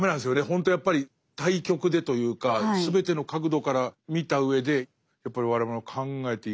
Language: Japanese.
ほんとやっぱり対極でというか全ての角度から見た上でやっぱり我々も考えていかないと。